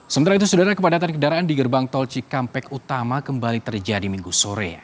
sementara itu saudara kepadatan kendaraan di gerbang tol cikampek utama kembali terjadi minggu sore